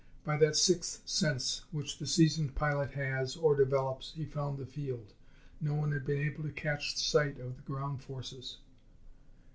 By that sixth sense which the seasoned pilot has, or develops, he found the field. No one had been able to catch sight of the ground forces.